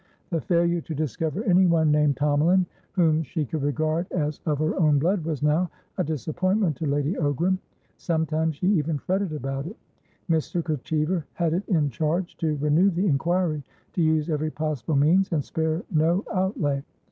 The failure to discover anyone named Tomalin whom she could regard as of her own blood was now a disappointment to Lady Ogram; sometimes she even fretted about it. Mr. Kerchever had it in charge to renew the inquiry, to use every possible means, and spare no outlay.